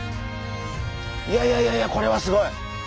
いやいやいやいやこれはすごい。